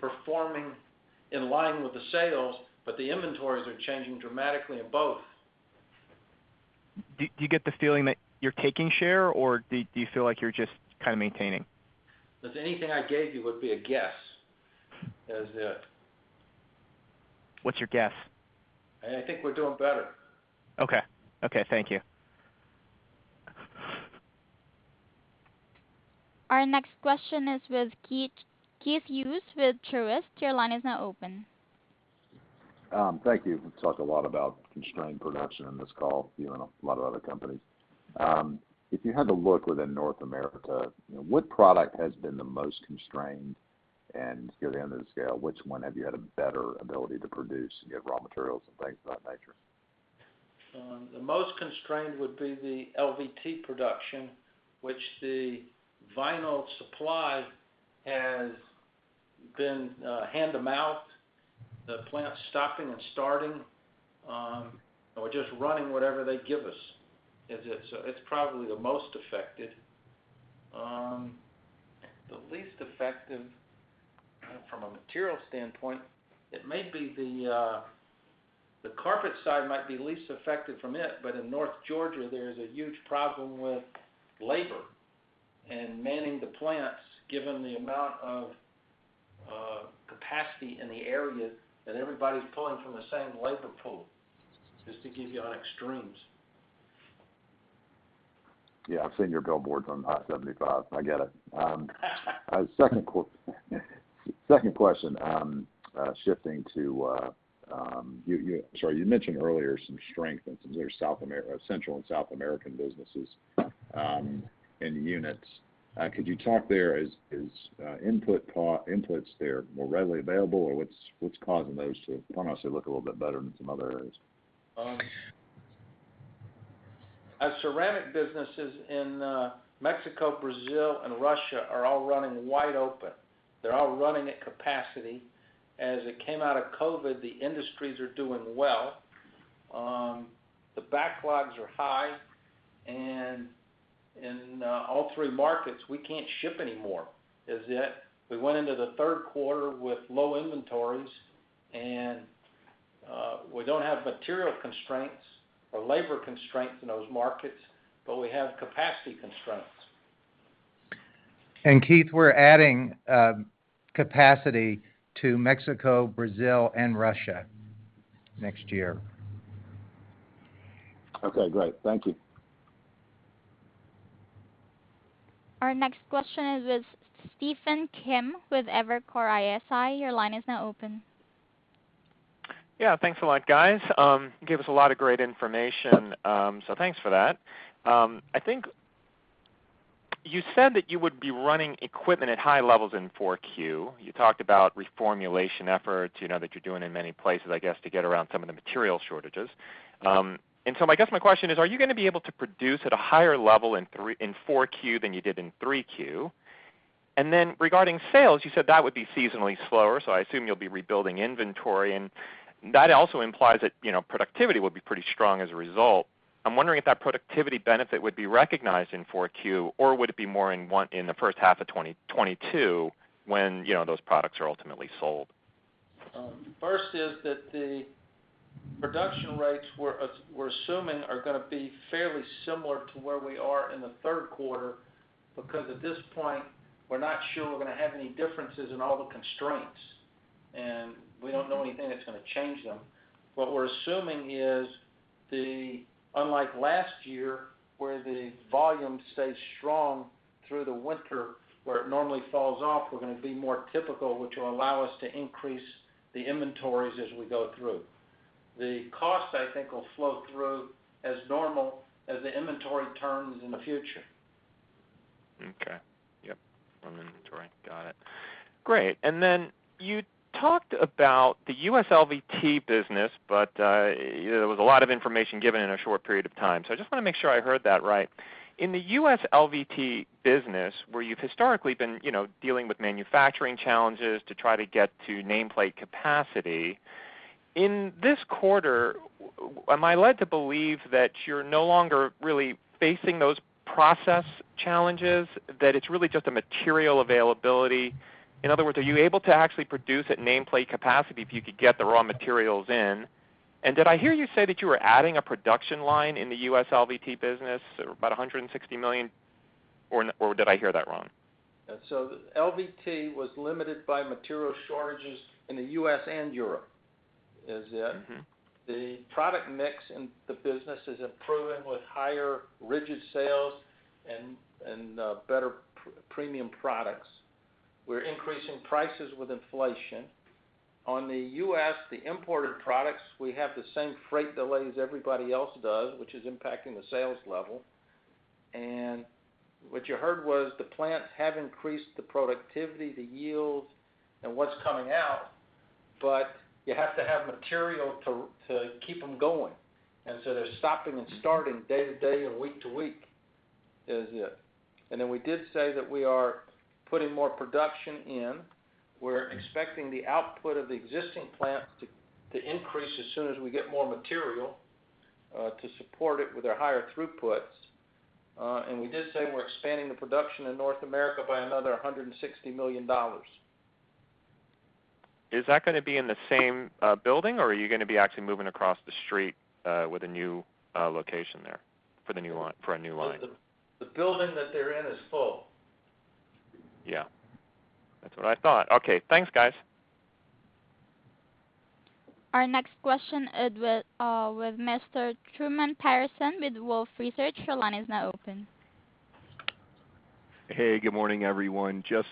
performing in line with the sales, but the inventories are changing dramatically in both. Do you get the feeling that you're taking share, or do you feel like you're just kind of maintaining? If there's anything I gave you, it would be a guess, is it? What's your guess? I think we're doing better. Okay. Okay, thank you. Our next question is with Keith Hughes with Truist. Your line is now open. Thank you. You talked a lot about constrained production in this call, you and a lot of other companies. If you had to look within North America, you know, what product has been the most constrained? Near the end of the scale, which one have you had a better ability to produce and get raw materials and things of that nature? The most constrained would be the LVT production, which the vinyl supply has been hand-to-mouth, the plant stopping and starting, or just running whatever they give us. It's probably the most affected. The least affected from a material standpoint, it may be the carpet side might be least affected from it, but in North Georgia, there is a huge problem with labor and manning the plants, given the amount of capacity in the area that everybody's pulling from the same labor pool, just to give you on extremes. Yeah, I've seen your billboards on I-75. I get it. Second question, shifting to you sorry. You mentioned earlier some strength in some of your Central and South American businesses and units. Could you talk there, is inputs there more readily available or what's causing those to honestly look a little bit better than some other areas? Our ceramic businesses in Mexico, Brazil, and Russia are all running wide open. They're all running at capacity. As we came out of COVID, the industries are doing well. The backlogs are high. In all three markets, we can't ship any more. Yet we went into the third quarter with low inventories, and we don't have material constraints or labor constraints in those markets, but we have capacity constraints. Keith, we're adding capacity to Mexico, Brazil and Russia next year. Okay, great. Thank you. Our next question is with Stephen Kim with Evercore ISI. Your line is now open. Yeah. Thanks a lot, guys. You gave us a lot of great information, so thanks for that. I think you said that you would be running equipment at high levels in Q4. You talked about reformulation efforts, you know, that you're doing in many places, I guess, to get around some of the material shortages. I guess my question is, are you gonna be able to produce at a higher level in Q4 than you did in Q3? Regarding sales, you said that would be seasonally slower, so I assume you'll be rebuilding inventory. That also implies that, you know, productivity will be pretty strong as a result. I'm wondering if that productivity benefit would be recognized in Q4, or would it be more in the first half of 2022 when, you know, those products are ultimately sold? First is that the production rates we're assuming are gonna be fairly similar to where we are in the third quarter, because at this point, we're not sure we're gonna have any differences in all the constraints, and we don't know anything that's gonna change them. What we're assuming is unlike last year, where the volume stayed strong through the winter, where it normally falls off, we're gonna be more typical, which will allow us to increase the inventories as we go through. The cost, I think, will flow through as normal as the inventory turns in the future. Okay. Yep. On inventory. Got it. Great. You talked about the U.S. LVT business, but, you know, there was a lot of information given in a short period of time. I just wanna make sure I heard that right. In the U.S. LVT business, where you've historically been, you know, dealing with manufacturing challenges to try to get to nameplate capacity, in this quarter, am I led to believe that you're no longer really facing those process challenges, that it's really just a material availability? In other words, are you able to actually produce at nameplate capacity if you could get the raw materials in? And did I hear you say that you were adding a production line in the U.S. LVT business, about $160 million Did I hear that wrong? LVT was limited by material shortages in the U.S. and Europe, is it? Mm-hmm. The product mix in the business is improving with higher rigid sales and better premium products. We're increasing prices with inflation. On the U.S., the imported products, we have the same freight delays everybody else does, which is impacting the sales level. What you heard was the plants have increased the productivity, the yield, and what's coming out, but you have to have material to keep them going. They're stopping and starting day to day or week to week, is it. We did say that we are putting more production in. We're expecting the output of the existing plants to increase as soon as we get more material to support it with their higher throughputs. We did say we're expanding the production in North America by another $160 million. Is that gonna be in the same building, or are you gonna be actually moving across the street with a new location there for our new line? The building that they're in is full. Yeah. That's what I thought. Okay, thanks, guys. Our next question is with Mr. Truman Patterson with Wolfe Research. Your line is now open. Hey, good morning, everyone. Just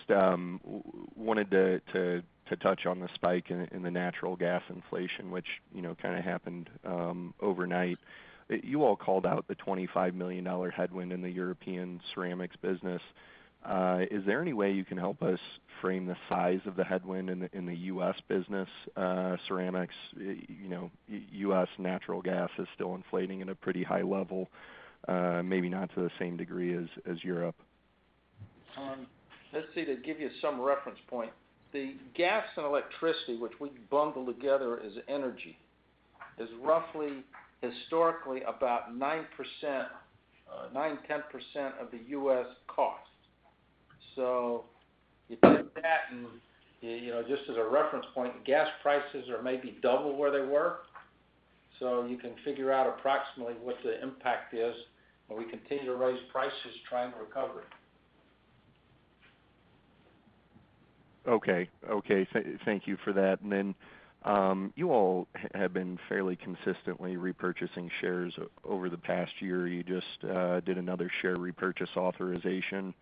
wanted to touch on the spike in the natural gas inflation, which, you know, kinda happened overnight. You all called out the $25 million headwind in the European ceramics business. Is there any way you can help us frame the size of the headwind in the U.S. business, ceramics? You know, U.S. natural gas is still inflating at a pretty high level, maybe not to the same degree as Europe. Let's see, to give you some reference point. The gas and electricity, which we bundle together as energy, is roughly historically about 9%-10% of the U.S. cost. You take that, and you know, just as a reference point, gas prices are maybe double where they were. You can figure out approximately what the impact is, but we continue to raise prices trying to recover it. Okay. Thank you for that. You all have been fairly consistently repurchasing shares over the past year. You just did another share repurchase authorization and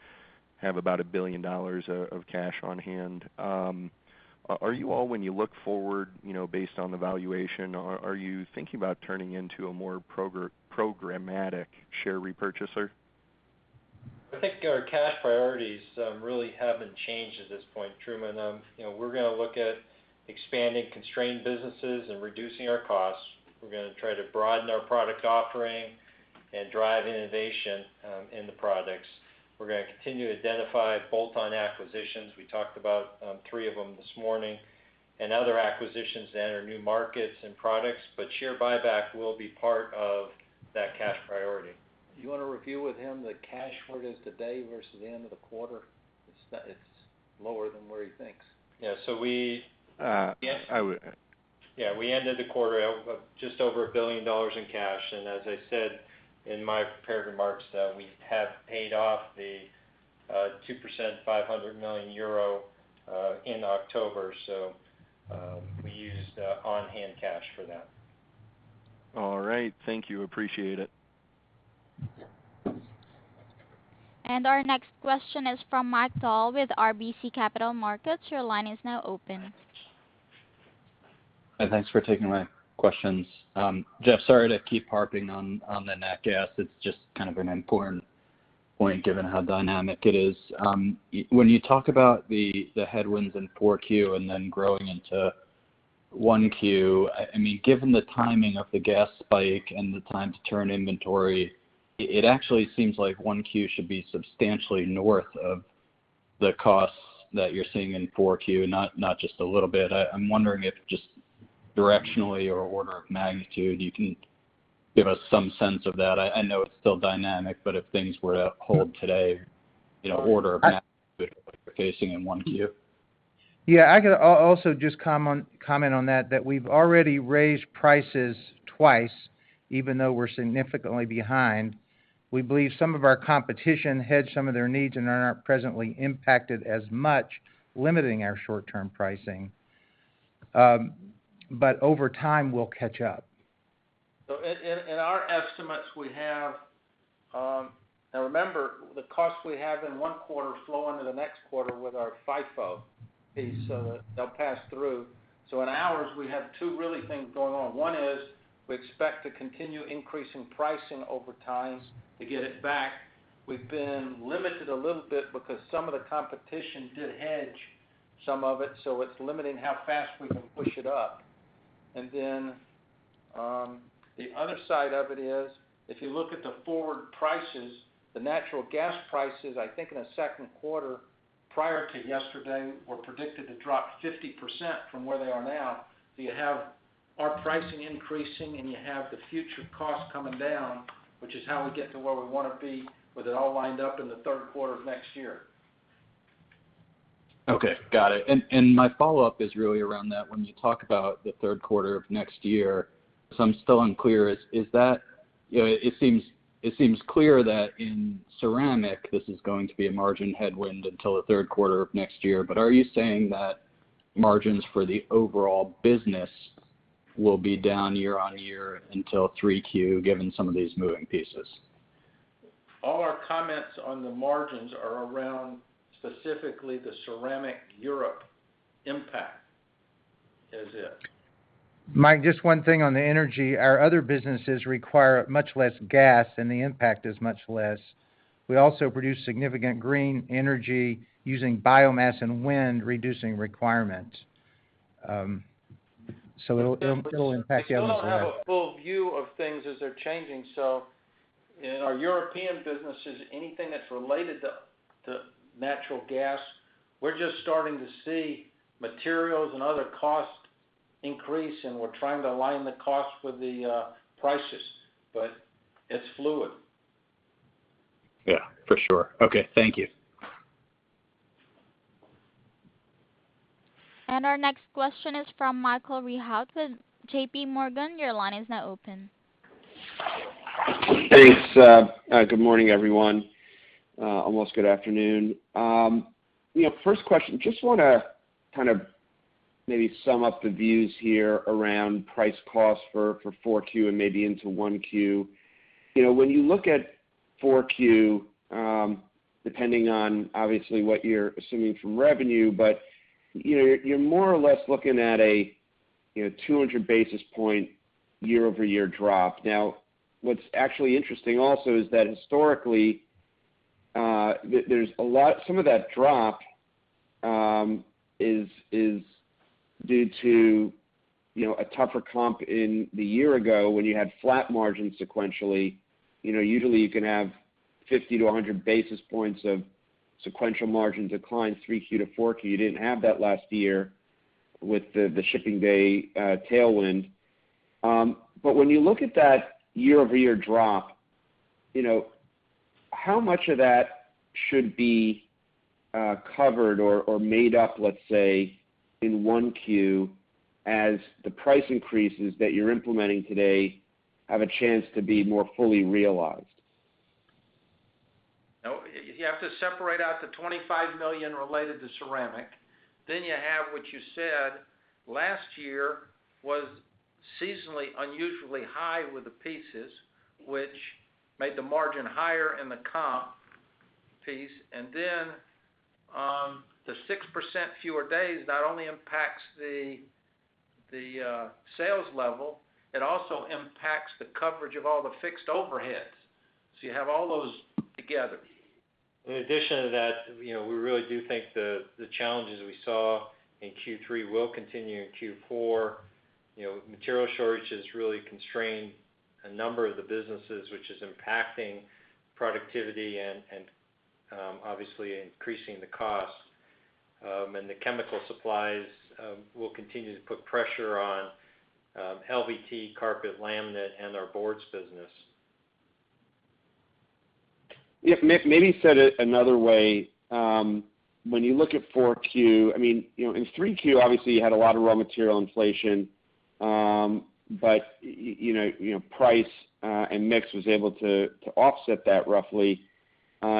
have about $1 billion of cash on hand. Are you all, when you look forward, you know, based on the valuation, are you thinking about turning into a more programmatic share repurchaser? I think our cash priorities, really haven't changed at this point, Truman. You know, we're gonna look at expanding constrained businesses and reducing our costs. We're gonna try to broaden our product offering and drive innovation, in the products. We're gonna continue to identify bolt-on acquisitions. We talked about, three of them this morning, and other acquisitions that are new markets and products, but share buyback will be part of that cash priority. Do you wanna review with him the cash where it is today versus the end of the quarter? It's lower than where he thinks. Yeah. Yes, I would. Yeah. We ended the quarter at just over $1 billion in cash. As I said in my prepared remarks, we have paid off the 2% 500 million euro in October. We used on-hand cash for that. All right. Thank you. Appreciate it. Our next question is from Mike Dahl with RBC Capital Markets. Your line is now open. Hi, thanks for taking my questions. Jeff, sorry to keep harping on the nat gas. It's just kind of an important point given how dynamic it is. When you talk about the headwinds in 4Q and then growing into 1Q, I mean, given the timing of the gas spike and the time to turn inventory, it actually seems like 1Q should be substantially north of the costs that you're seeing in 4Q, not just a little bit. I'm wondering if just directionally or order of magnitude, you can give us some sense of that. I know it's still dynamic, but if things were to hold today, you know, order of magnitude you're facing in 1Q. Yeah. I can also just comment on that we've already raised prices twice, even though we're significantly behind. We believe some of our competition hedged some of their needs and are not presently impacted as much, limiting our short-term pricing. Over time, we'll catch up. In our estimates, now remember, the costs we have in one quarter flow into the next quarter with our FIFO piece, so they'll pass through. In ours, we have two real things going on. One is we expect to continue increasing pricing over time to get it back. We've been limited a little bit because some of the competition did hedge some of it, so it's limiting how fast we can push it up. The other side of it is, if you look at the forward prices, the natural gas prices, I think in the second quarter, prior to yesterday, were predicted to drop 50% from where they are now. You have our pricing increasing, and you have the future cost coming down, which is how we get to where we wanna be with it all lined up in the third quarter of next year. Okay, got it. My follow-up is really around that when you talk about the third quarter of next year. I'm still unclear, is that. You know, it seems clear that in ceramic, this is going to be a margin headwind until the third quarter of next year. Are you saying that margins for the overall business will be down year-on-year until Q3, given some of these moving pieces? All our comments on the margins are around specifically the ceramic Europe impact, is it? Mike, just one thing on the energy. Our other businesses require much less gas, and the impact is much less. We also produce significant green energy using biomass and wind, reducing requirements. It'll impact the other- We still don't have a full view of things as they're changing. In our European businesses, anything that's related to natural gas, we're just starting to see materials and other costs increase, and we're trying to align the costs with the prices, but it's fluid. Yeah, for sure. Okay, thank you. Our next question is from Michael Rehaut with JPMorgan. Your line is now open. Thanks, good morning, everyone, almost good afternoon. You know, first question, just wanna kind of maybe sum up the views here around price costs for 4Q and maybe into 1Q. You know, when you look at 4Q, depending on obviously what you're assuming from revenue, but, you know, you're more or less looking at a, you know, 200 basis point year-over-year drop. Now, what's actually interesting also is that historically, some of that drop is due to, you know, a tougher comp in the year ago when you had flat margins sequentially. You know, usually you can have 50-100 basis points of sequential margin decline, 3Q to 4Q. You didn't have that last year with the shipping day tailwind. when you look at that year-over-year drop, you know, how much of that should be covered or made up, let's say, in one Q as the price increases that you're implementing today have a chance to be more fully realized? No, you have to separate out the $25 million related to ceramic. You have what you said last year was seasonally unusually high with the pieces which made the margin higher in the comp piece. The 6% fewer days not only impacts the sales level, it also impacts the coverage of all the fixed overheads. You have all those together. In addition to that, you know, we really do think the challenges we saw in Q3 will continue in Q4. You know, material shortages really constrain a number of the businesses, which is impacting productivity and obviously increasing the costs. The chemical supplies will continue to put pressure on LVT carpet laminate and our boards business. Yeah, maybe said it another way, when you look at Q4, I mean, you know, in Q3, obviously, you had a lot of raw material inflation, but you know, price and mix was able to offset that roughly.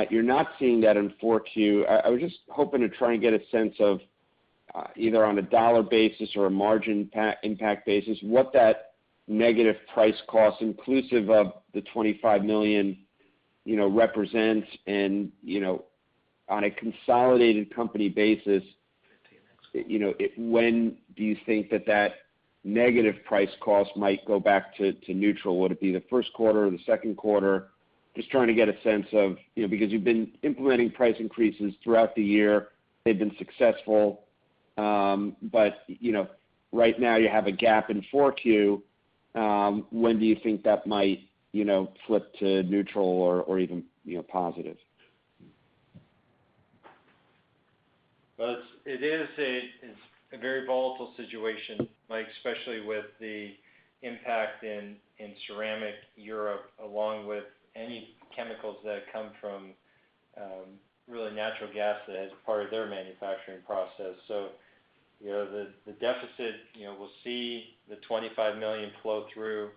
You're not seeing that in Q4. I was just hoping to try and get a sense of either on a dollar basis or a margin impact basis, what that negative price cost inclusive of the $25 million, you know, represents. You know, on a consolidated company basis, you know, when do you think that negative price cost might go back to neutral? Would it be the first quarter or the second quarter? Just trying to get a sense of, you know, because you've been implementing price increases throughout the year, they've been successful. You know, right now you have a gap in Q4, when do you think that might, you know, flip to neutral or even, you know, positive? Well, it is a very volatile situation, Mike, especially with the impact in ceramic Europe, along with any chemicals that come from really natural gas as part of their manufacturing process. You know, the deficit, you know, we'll see the $25 million flow through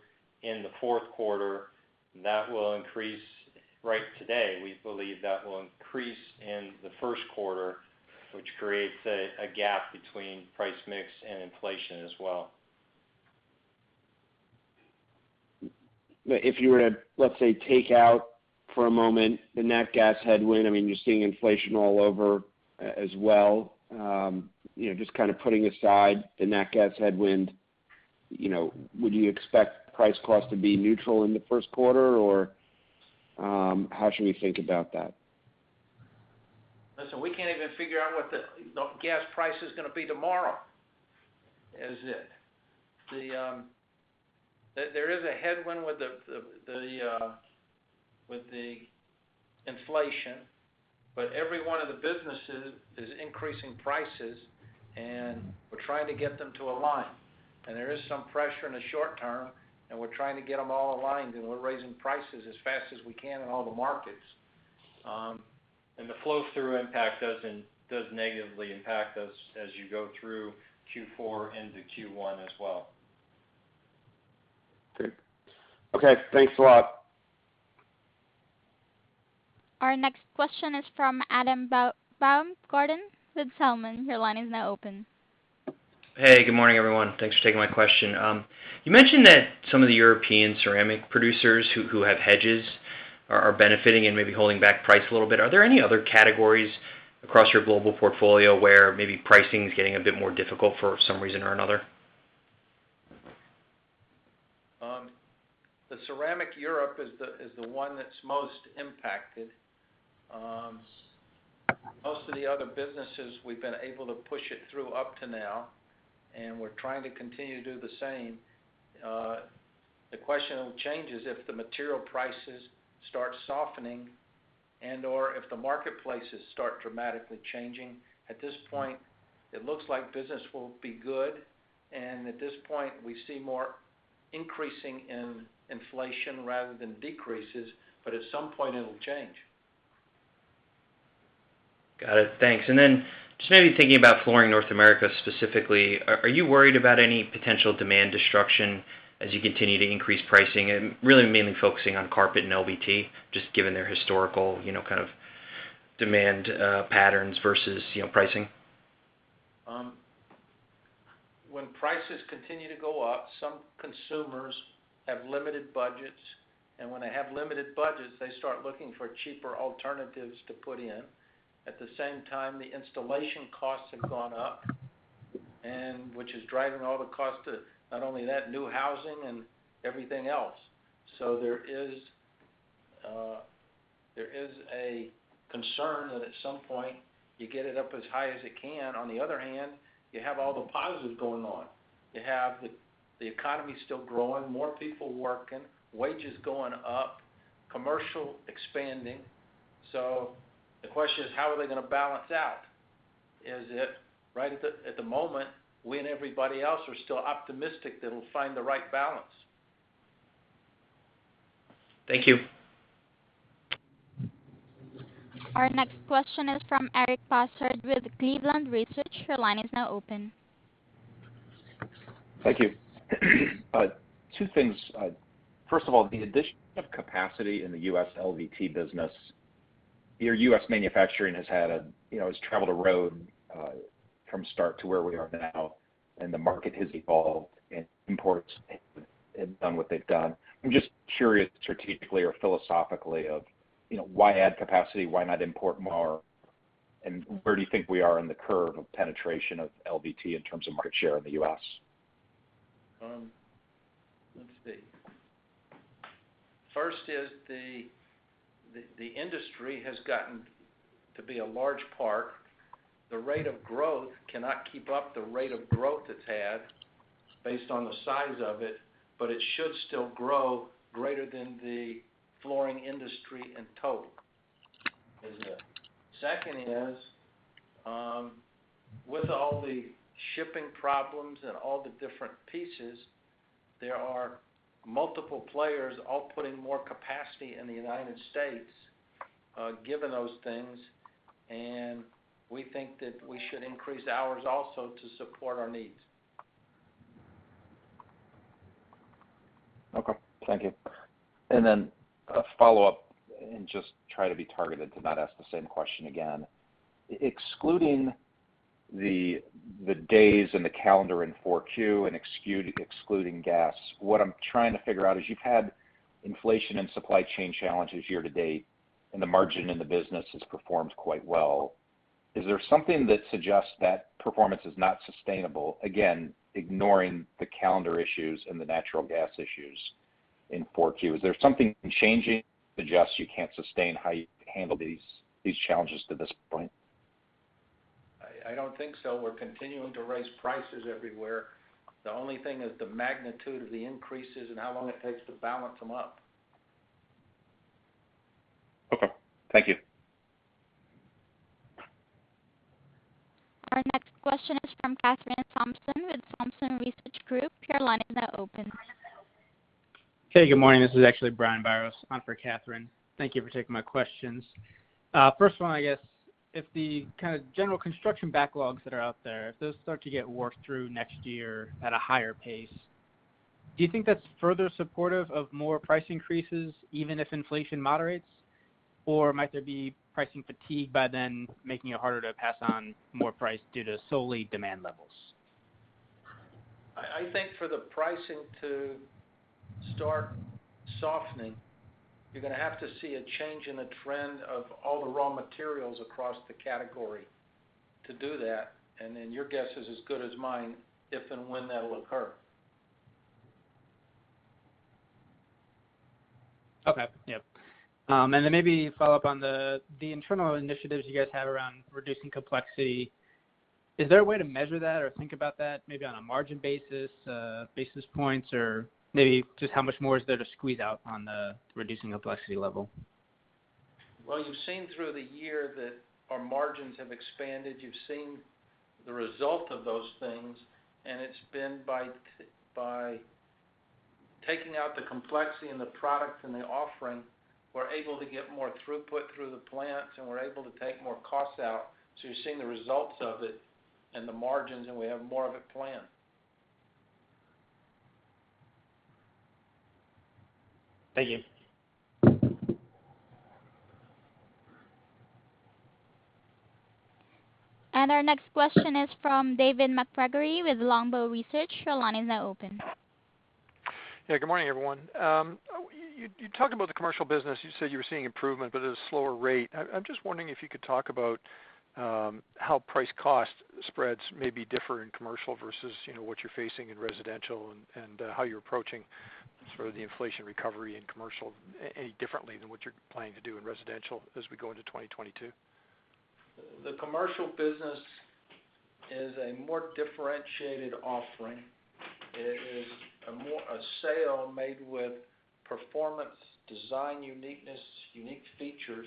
in the fourth quarter. That will increase right away. We believe that will increase in the first quarter, which creates a gap between price mix and inflation as well. If you were to, let's say, take out for a moment the nat gas headwind, I mean, you're seeing inflation all over as well, you know, just kind of putting aside the nat gas headwind, you know, would you expect price cost to be neutral in the first quarter? Or, how should we think about that? Listen, we can't even figure out what the gas price is gonna be tomorrow, is it. There is a headwind with the inflation, but every one of the businesses is increasing prices. We're trying to get them to align. There is some pressure in the short term, and we're trying to get them all aligned, and we're raising prices as fast as we can in all the markets. The flow-through impact does negatively impact us as you go through Q4 into Q1 as well. Okay, thanks a lot. Our next question is from Adam Baumgarten with Zelman. Your line is now open. Hey, good morning, everyone. Thanks for taking my question. You mentioned that some of the European ceramic producers who have hedges are benefiting and maybe holding back price a little bit. Are there any other categories across your global portfolio where maybe pricing is getting a bit more difficult for some reason or another? The ceramic Europe is the one that's most impacted. Most of the other businesses we've been able to push it through up to now, and we're trying to continue to do the same. The question will change is if the material prices start softening and or if the marketplaces start dramatically changing. At this point, it looks like business will be good. At this point, we see more increasing in inflation rather than decreases. At some point, it'll change. Got it. Thanks. Just maybe thinking about Flooring North America specifically, are you worried about any potential demand destruction as you continue to increase pricing, really mainly focusing on carpet and LVT just given their historical, you know, kind of demand patterns versus, you know, pricing? When prices continue to go up, some consumers have limited budgets, and when they have limited budgets, they start looking for cheaper alternatives to put in. At the same time, the installation costs have gone up, and which is driving all the cost to not only that new housing and everything else. There is a concern that at some point you get it up as high as it can. On the other hand, you have all the positives going on. You have the economy still growing, more people working, wages going up, commercial expanding. The question is: How are they gonna balance out? Is it right at the moment, we and everybody else are still optimistic that we'll find the right balance. Thank you. Our next question is from Eric Bosshard with Cleveland Research. Your line is now open. Thank you. Two things. First of all, the addition of capacity in the U.S. LVT business, your U.S. manufacturing has had a, you know, has traveled a road from start to where we are now, and the market has evolved and imports have done what they've done. I'm just curious strategically or philosophically of, you know, why add capacity? Why not import more? Where do you think we are in the curve of penetration of LVT in terms of market share in the U.S.? Let's see. First is the industry has gotten to be a large part. The rate of growth cannot keep up the rate of growth it's had based on the size of it, but it should still grow greater than the flooring industry in total is it. Second is, with all the shipping problems and all the different pieces, there are multiple players all putting more capacity in the United States, given those things, and we think that we should increase ours also to support our needs. Okay. Thank you. Then a follow-up, and just try to be targeted to not ask the same question again. Excluding the days and the calendar in 4Q and excluding gas, what I'm trying to figure out is you've had inflation and supply chain challenges year to date, and the margin in the business has performed quite well. Is there something that suggests that performance is not sustainable? Again, ignoring the calendar issues and the natural gas issues in 4Q. Is there something changing that suggests you can't sustain how you've handled these challenges to this point? I don't think so. We're continuing to raise prices everywhere. The only thing is the magnitude of the increases and how long it takes to balance them up. Okay. Thank you. Our next question is from Kathryn Thompson with Thompson Research Group. Your line is now open. Hey, good morning. This is actually Brian Biros on for Kathryn. Thank you for taking my questions. First one, I guess, if the kind of general construction backlogs that are out there, if those start to get worked through next year at a higher pace, do you think that's further supportive of more price increases, even if inflation moderates? Or might there be pricing fatigue by then making it harder to pass on more price due to solely demand levels? I think for the pricing to start softening, you're gonna have to see a change in the trend of all the raw materials across the category to do that. Then your guess is as good as mine if and when that'll occur. Okay. Yep. Maybe follow up on the internal initiatives you guys have around reducing complexity. Is there a way to measure that or think about that maybe on a margin basis points, or maybe just how much more is there to squeeze out on the reducing complexity level? Well, you've seen through the year that our margins have expanded. You've seen the result of those things, and it's been by taking out the complexity in the product and the offering, we're able to get more throughput through the plants, and we're able to take more costs out. You're seeing the results of it in the margins, and we have more of it planned. Thank you. Our next question is from David MacGregor with Longbow Research. Your line is now open. Yeah, good morning, everyone. You talked about the commercial business. You said you were seeing improvement but at a slower rate. I'm just wondering if you could talk about how price cost spreads maybe differ in commercial versus what you're facing in residential and how you're approaching sort of the inflation recovery in commercial any differently than what you're planning to do in residential as we go into 2022. The commercial business is a more differentiated offering. It is a sale made with performance, design, uniqueness, unique features.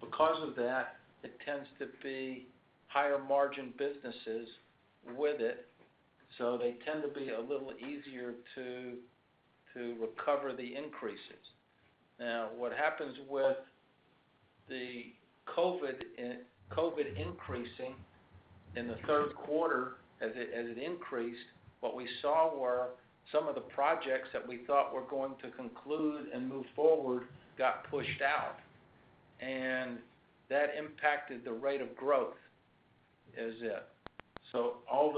Because of that, it tends to be higher margin businesses with it, so they tend to be a little easier to recover the increases. Now, what happens with the COVID increasing in the third quarter, as it increased, what we saw were some of the projects that we thought were going to conclude and move forward got pushed out, and that impacted the rate of growth. All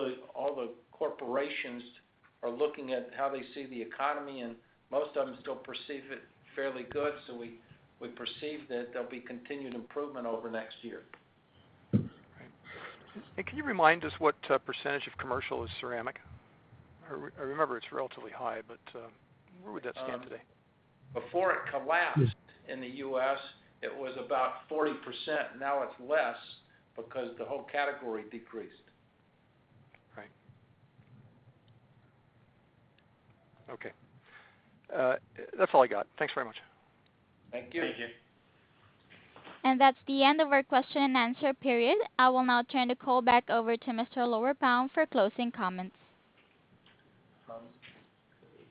the corporations are looking at how they see the economy, and most of them still perceive it fairly good, so we perceive that there'll be continued improvement over next year. All right. Can you remind us what percentage of commercial is ceramic? I remember it's relatively high, but where would that stand today? Before it collapsed in the U.S., it was about 40%. Now it's less because the whole category decreased. Right. Okay. That's all I got. Thanks very much. Thank you. Thank you. That's the end of our question and answer period. I will now turn the call back over to Mr. Jeff Lorberbaum for closing comments.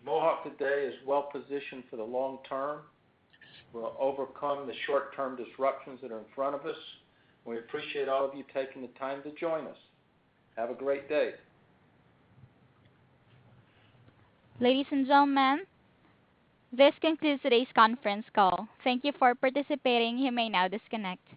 Mohawk today is well positioned for the long term. We'll overcome the short-term disruptions that are in front of us. We appreciate all of you taking the time to join us. Have a great day. Ladies and gentlemen, this concludes today's Conference call. Thank you for participating. You may now disconnect.